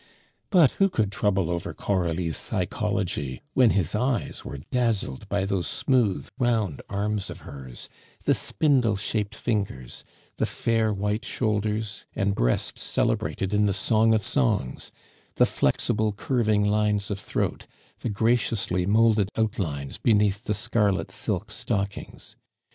But who could trouble over Coralie's psychology when his eyes were dazzled by those smooth, round arms of hers, the spindle shaped fingers, the fair white shoulders, and breast celebrated in the Song of Songs, the flexible curving lines of throat, the graciously moulded outlines beneath the scarlet silk stockings?